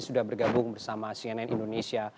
sudah bergabung bersama cnn indonesia